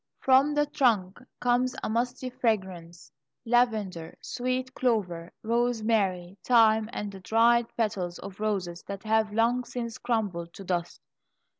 From the trunk comes a musty fragrance lavender, sweet clover, rosemary, thyme, and the dried petals of roses that have long since crumbled to dust.